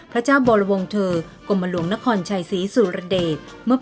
พระเจ้าบรวงเธอกรมหลวงนครชัยศรีสุรเดช